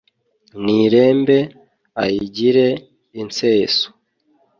nirembe ayigire insêso